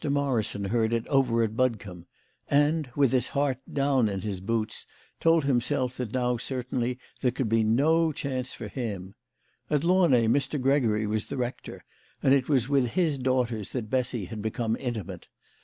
Morrison heard it over at Budcombe, and, with his heart down in his boots, told himself that now certainly there could be no chance for him. At Launay Mr. Gregory was the rector, and it was with his daughters that Bessy had become intimate.